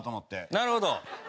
なるほど。